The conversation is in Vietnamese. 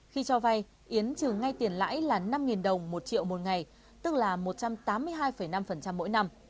khi cho vay yến trừ ngay tiền lãi là năm đồng một triệu một ngày tức là một trăm tám mươi hai năm mỗi năm